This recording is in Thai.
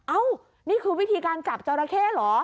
นี่คือวิธีการจับจอราเข้เหรอ